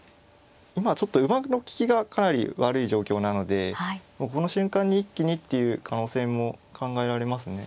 今はちょっと馬の利きがかなり悪い状況なのでこの瞬間に一気にっていう可能性も考えられますね。